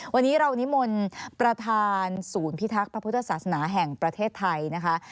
วันนี้เรานิมนต์ประธานศูนย์พิทักษ์พระพุทธศาสนาแห่งประเทศไทยนะคะ